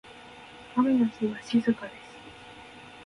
雨の日は静かです。